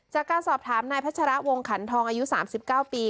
จากการสอบถามนายพัชระวงขันทองอายุ๓๙ปี